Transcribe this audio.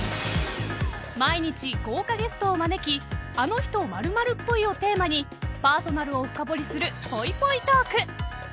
［毎日豪華ゲストを招きあの人○○っぽいをテーマにパーソナルを深堀りするぽいぽいトーク］